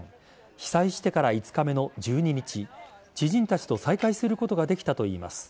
被災してから５日目の１２日知人たちと再会することができたといいます。